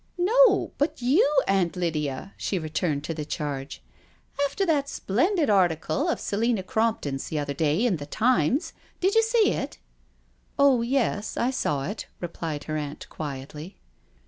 " No, but you, Aunt Lydia," she returned to the charge. " And after that splendid article of Selina Crompton's the other day in The Times. Did you see it?*' " Oh yes, I saw it," replied her aunt quietly.